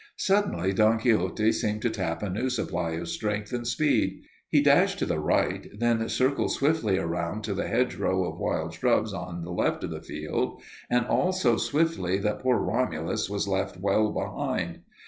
Suddenly Don Quixote seemed to tap a new supply of strength and speed. He dashed to the right, and then circled swiftly around to the hedgerow of wild shrubs at the left of the field, and all so swiftly that poor Romulus was left well behind.